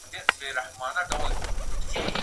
زه پرون سړو ته خواړه ورکوم.